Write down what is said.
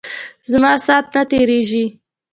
زما سات نه تیریژی.